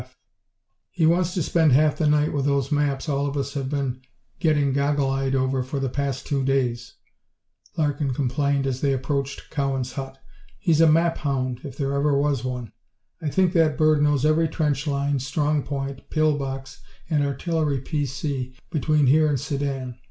F. "He wants to spend half the night with those maps all of us have been getting goggle eyed over for the last two days," Larkin complained as they approached Cowan's hut. "He's a map hound, if there ever was one! I think that bird knows every trench line, strong point, pill box and artillery P.C., between here and Sedan.